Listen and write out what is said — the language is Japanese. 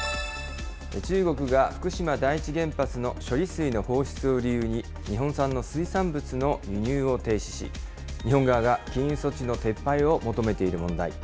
中国が福島第一原発の処理水の放出を理由に、日本産の水産物の輸入を停止し、日本側が禁輸措置の撤廃を求めている問題。